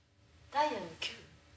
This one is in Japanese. ダイヤの９！